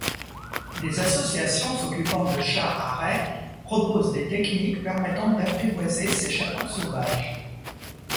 Des associations s'occupant de chats harets proposent des techniques permettant d'apprivoiser ces chatons sauvages.